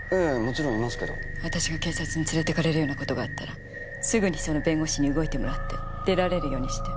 私が警察に連れていかれるような事があったらすぐにその弁護士に動いてもらって出られるようにして。